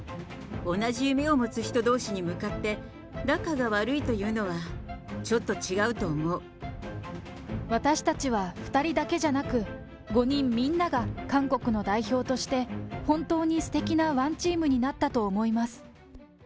同じ夢を持つ人どうしに向かって仲が悪いというのは、ちょっと違私たちは２人だけじゃなく、５人みんなが韓国の代表として、本当にすてきなワンチームになったと思います。